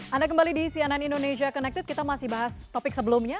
anda kembali di cnn indonesia connected kita masih bahas topik sebelumnya